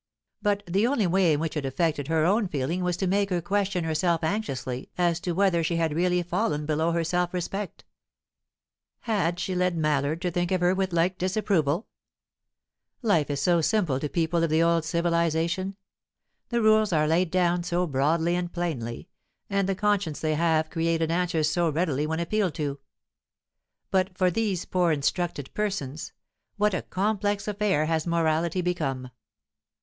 But the only way in which it affected her own feeling was to make her question herself anxiously as to whether she had really fallen below her self respect. Had she led Mallard to think of her with like disapproval? Life is so simple to people of the old civilization. The rules are laid down so broadly and plainly, and the conscience they have created answers so readily when appealed to. But for these poor instructed persons, what a complex affair has morality become!